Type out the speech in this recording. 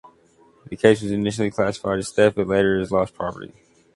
The case was initially classified as theft but later as "lost property".